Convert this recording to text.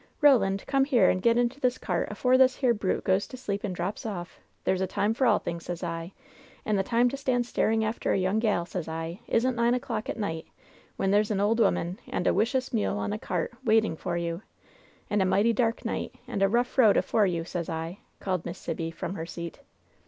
"Roland, come here and get into this cart afore this here brute goes to sleep and drops down. There's a time for all things, sez I, and the time to stand staring after a young gal, sez I, isn't nine o'clock at night when there's an ole 'oman and wicious mule on a cart waitin' for you, and a mighty dark night and a rough road afore you, sez 1 1" called Miss Sibby, from her seat.